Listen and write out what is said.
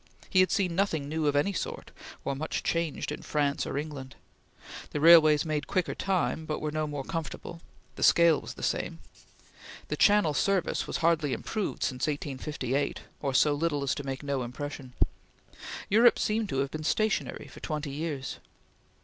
He had seen nothing new of any sort, or much changed in France or England. The railways made quicker time, but were no more comfortable. The scale was the same. The Channel service was hardly improved since 1858, or so little as to make no impression. Europe seemed to have been stationary for twenty years.